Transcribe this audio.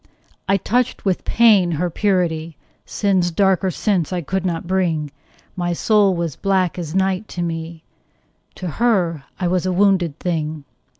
I touched with pain her purity; Sin's darker sense I could not bring: My soul was black as night to me: To her I was a wounded thing.